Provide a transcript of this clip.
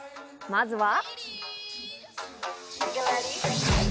まずは。